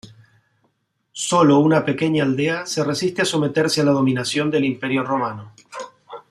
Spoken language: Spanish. Sólo una pequeña aldea se resiste a someterse a la dominación del Imperio Romano.